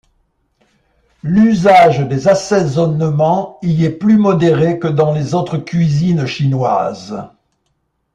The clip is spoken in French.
L'usage des assaisonnements y est plus modéré que dans les autres cuisines chinoises.